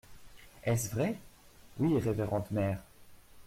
Est-ce vrai ? Oui, révérende mère.